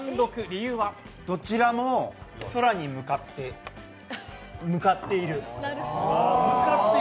どちらも空に向かっている。